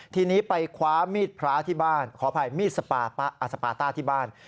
ทีนี้ไปคว้ามีดพระที่บ้านขออภัยมีดสปาต้าที่บ้าน